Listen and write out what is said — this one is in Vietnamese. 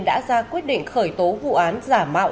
đã ra quyết định khởi tố vụ án giả mạo